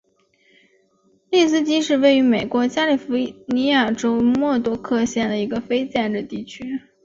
利斯基是位于美国加利福尼亚州莫多克县的一个非建制地区。